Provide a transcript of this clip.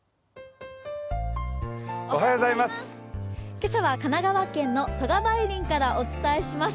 今朝は神奈川県の曽我梅林からお伝えします。